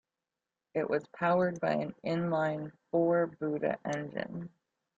It was powered by an inline-four Buda engine.